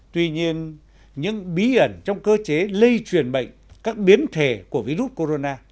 tuy nhiên những bí ẩn trong cơ chế lây truyền bệnh các biến thể của virus corona